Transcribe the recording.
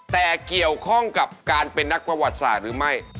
แต่เกี่ยวข้องกับการเป็นนักประวัติศาสตร์หรือไม่